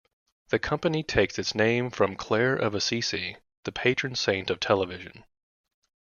The company takes its name from Clare of Assisi, the patron saint of television.